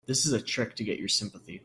This is a trick to get your sympathy.